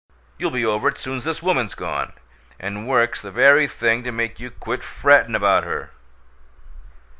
You'll be over it soon's this woman's gone, and Work's the very thing to make you quit frettin' about her."